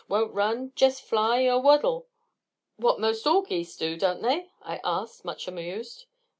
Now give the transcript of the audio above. Won't run jest fly, er waddle." "What most all geese do, don't they?" I asked, much amused.